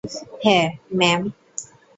হ্যা, ম্যাম।